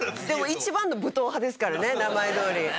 でも一番の武闘派ですからね名前どおり。